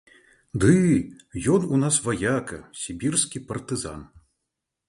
Ды ён у нас ваяка, сібірскі партызан.